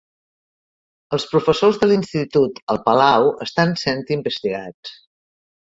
Els professors de l'institut el Palau estan sent investigats